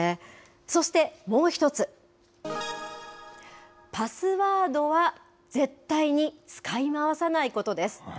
そしてもう１つ、パスワードは絶対に使い回さないことです。